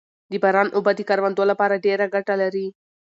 د باران اوبه د کروندو لپاره ډېره ګټه لري